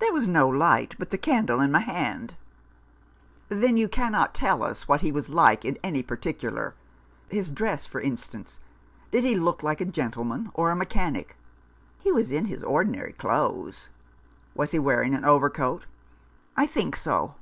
There was no light but the candle in my hand." 144 At Bow Street. " Then you cannot tell us what he was like in any particular ? His dress, for instance ? Did he look like a gentleman, or a mechanic ?"" He was in his ordinary clothes." " Was he wearing an overcoat ?"" I think so."